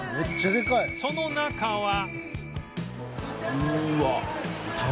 その中は